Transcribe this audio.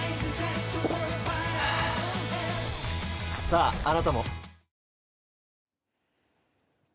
ああなたも。